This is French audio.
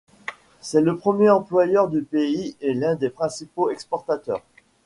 C'est le premier employeur du pays et l'un des principaux exportateurs.